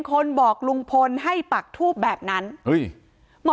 การแก้เคล็ดบางอย่างแค่นั้นเอง